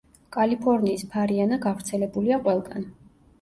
კალიფორნიის ფარიანა გავრცელებულია ყველგან.